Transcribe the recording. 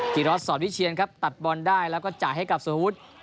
กิจรัฐสอนวิเชียนครับตัดบอลได้แล้วก็จ่ายให้กับสมมุติ